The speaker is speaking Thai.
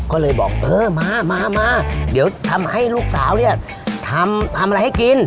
ก็เลยบอกเออมามาเดี๋ยวทำให้ลูกสาวเนี่ยทำอะไรให้กิน